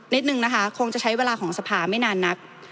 นิดนึงนะคะคงจะใช้เวลาของสภาไม่นานนัก